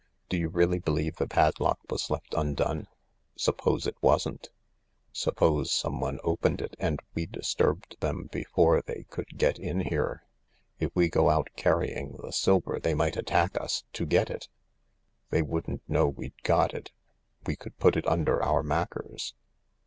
Do you really believe the padlock was left undone ? Suppose it wasn't. Suppose someone opened it, and we disturbed them before they could get in here ? If we go out carrying the silver they might attack us— to get it." "They wouldn't know we'd got it. We could put it under our mackers."